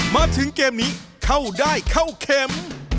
มาถึงเกมนี้เข้าได้เข้าเข็ม